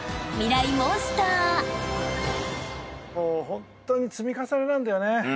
ホントに積み重ねなんだよね。